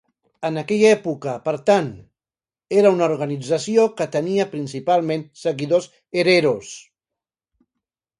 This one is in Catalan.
En aquella època, per tant, era una organització que tenia principalment seguidors hereros.